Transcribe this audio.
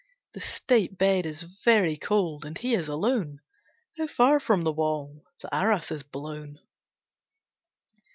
The state bed is very cold and he is alone. How far from the wall the arras is blown!